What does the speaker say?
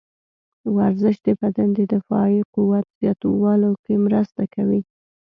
ورزش د بدن د دفاعي قوت زیاتولو کې مرسته کوي.